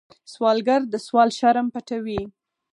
سوالګر د سوال شرم پټوي